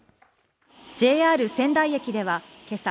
ＪＲ仙台駅ではけさ